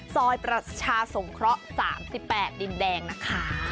ซอยประชาสงเคราะห์๓๘ดินแดงนะคะ